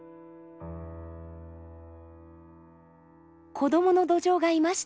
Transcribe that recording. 子どものドジョウがいました。